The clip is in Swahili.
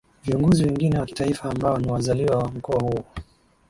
Viongozi wengine wa Kitaifa ambao ni wazaliwa wa Mkoa huu